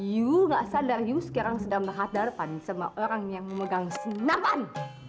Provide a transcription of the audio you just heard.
yuu gak sadar yuu sekarang sedang menghadapkan sama orang yang memegang sinapan